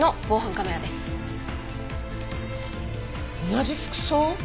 同じ服装？